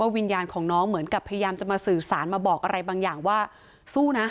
วิญญาณของน้องเหมือนกับพยายามจะมาสื่อสารมาบอกอะไรบางอย่างว่าสู้นะ